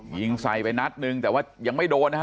ยิงใส่ไปนัดนึงแต่ว่ายังไม่โดนนะฮะ